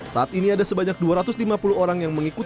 saat ini ada sebanyak dua ratus lima puluh orang yang mengikuti